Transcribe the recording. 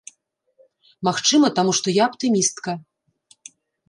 Магчыма, таму што я аптымістка.